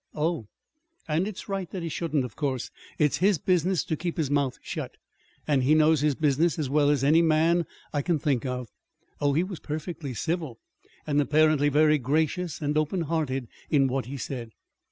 "Oh!" "And it's right that he shouldn't, of course. It's his business to keep his mouth shut and he knows his business as well as any man I can think of. Oh, he was perfectly civil, and apparently very gracious and open hearted in what he said."